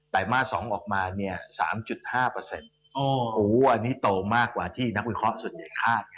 แต่มาส่งออกมาเนี่ยสามจุดห้าเปอร์เซ็นต์อ๋อโอ้โหอันนี้โตมากกว่าที่นักวิเคราะห์ส่วนใหญ่ฆาต